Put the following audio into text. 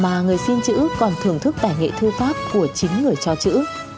mà người xin chữ còn thưởng thức tài nghệ thư pháp của chính người cho chữ